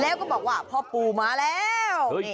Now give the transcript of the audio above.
แล้วก็บอกว่าพ่อปู่มาแล้ว